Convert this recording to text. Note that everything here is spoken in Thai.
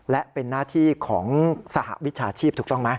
และเป็นหน้าที่ของสหวิชาชีพถูกต้องไหม